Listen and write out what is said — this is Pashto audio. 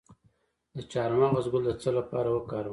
د چارمغز ګل د څه لپاره وکاروم؟